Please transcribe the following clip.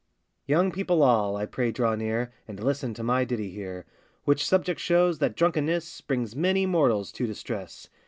] YOUNG people all, I pray draw near, And listen to my ditty here; Which subject shows that drunkenness Brings many mortals to distress!